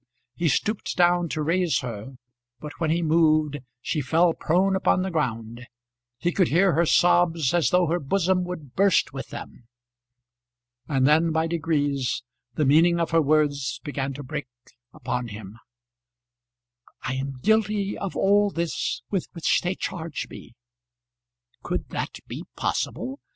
He stooped down to raise her; but when he moved she fell prone upon the ground; he could hear her sobs as though her bosom would burst with them. And then by degrees the meaning of her words began to break upon him. "I am guilty of all this with which they charge me." Could that be possible?